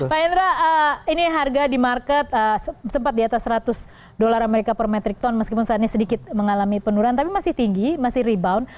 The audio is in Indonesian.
pak hendra ini harga di market sempat di atas seratus dolar amerika per metric ton meskipun saat ini sedikit mengalami penurunan tapi masih tinggi masih rebound